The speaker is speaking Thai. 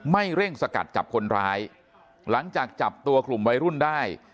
เร่งสกัดจับคนร้ายหลังจากจับตัวกลุ่มวัยรุ่นได้